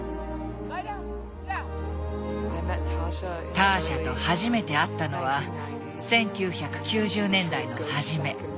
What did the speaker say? ターシャと初めて会ったのは１９９０年代の初め。